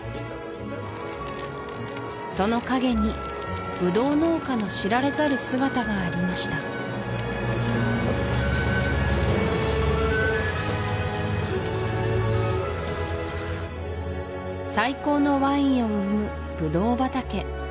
その陰にブドウ農家の知られざる姿がありました最高のワインを生むブドウ畑